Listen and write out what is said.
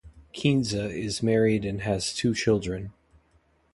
Kinza is married and has two children.